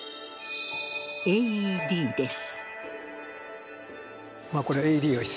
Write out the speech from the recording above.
ＡＥＤです。